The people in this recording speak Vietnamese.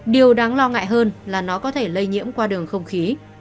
điều đáng lo ngại hơn là nó có thể lây nhiễm qua đường không khí